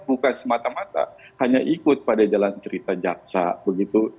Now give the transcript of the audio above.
bukan semata mata hanya ikut pada jalan cerita jaksa begitu